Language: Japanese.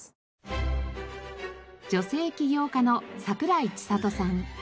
女性起業家の櫻井知里さん。